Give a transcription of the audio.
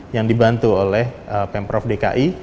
yang dibantu oleh pemprov dki